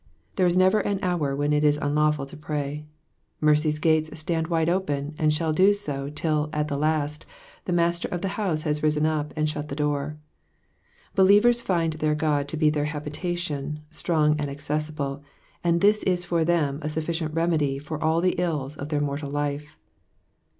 There is never an hour when it is unlawful to pray^ Mercy ^s gates stand wide open, and shall do so, till, at the last, the Master of the house has risen up and shut to the door. Believers tind their God to be their habitation, strong and accessible, and this is for them a sufficient remedy for all the ills of their mortal life.